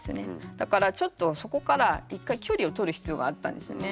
だからちょっとそこから一回距離をとる必要があったんですよね。